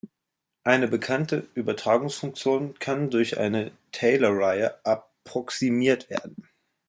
Eine bekannte Übertragungsfunktion kann durch eine Taylorreihe approximiert werden.